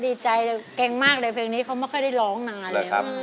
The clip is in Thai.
ดีใจเก่งมากเลยเพลงนี้เขาไม่ค่อยได้ร้องนานแล้ว